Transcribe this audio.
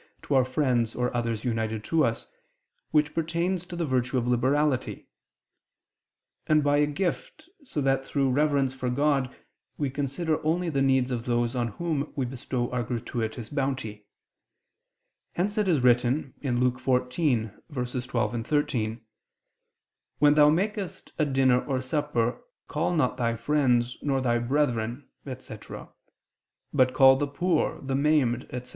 to our friends or others united to us; which pertains to the virtue of liberality and by a gift, so that, through reverence for God, we consider only the needs of those on whom we bestow our gratuitous bounty: hence it is written (Luke 14:12, 13): "When thou makest a dinner or supper, call not thy friends, nor thy brethren," etc ... "but ... call the poor, the maimed," etc.